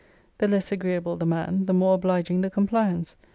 The less agreeable the man, the more obliging the compliance.